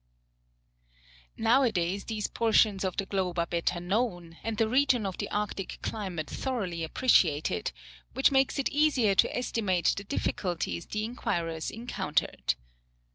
Now a days these portions of the globe are better known, and the region of the Arctic climate thoroughly appreciated, which makes it easier to estimate the difficulties the inquirers encountered.